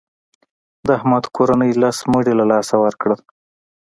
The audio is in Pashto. د احمد کورنۍ لس مړي له لاسه ورکړل.